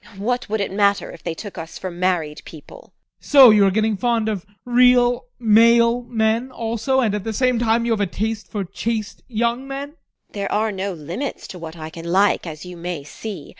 TEKLA. What would it matter if they took us for married people? ADOLPH. So now you are getting fond of real male men also, and at the same time you have a taste for chaste young men? TEKLA. There are no limits to what I can like, as you may see.